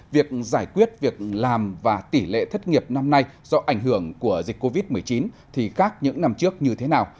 việc giải quyết việc làm và tỷ lệ thất nghiệp năm nay do ảnh hưởng của dịch covid một mươi chín thì khác những năm trước như thế nào